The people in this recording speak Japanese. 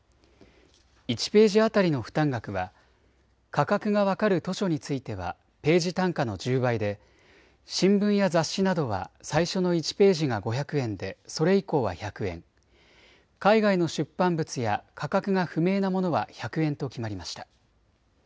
１ページ当たりの負担額は価格が分かる図書についてはページ単価の１０倍で新聞や雑誌などは最初の１ページが５００円でそれ以降は１００円、海外の出版物や価格が不明なものは１００円と決まりました。